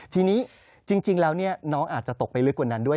ทีนี้จริงแล้วน้องอาจจะตกไปลึกกว่านั้นด้วย